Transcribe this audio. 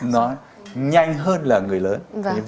nó nhanh hơn là người lớn